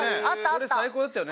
これ最高だったよね。